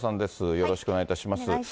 よろしくお願いします。